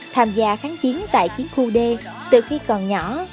tham gia kháng chiến tại chiến khu d từ khi còn nhỏ